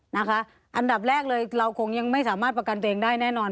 อันดับแรกเลยเราคงยังไม่สามารถประกันตัวเองได้แน่นอน